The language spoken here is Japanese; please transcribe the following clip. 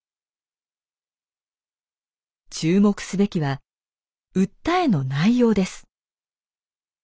注目すべきは訴えの内容です。